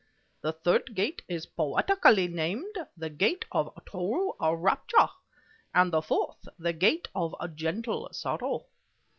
The third gate is poetically named, the Gate of True Rapture, and the fourth, the Gate of Gentle Sorrow.